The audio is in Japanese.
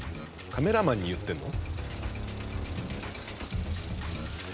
カメラマンに言ってんの？